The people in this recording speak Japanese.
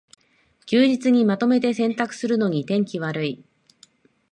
休日にまとめて洗濯するのに天気悪い